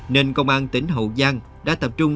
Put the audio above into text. nên công an tỉnh hậu giang đã tập trung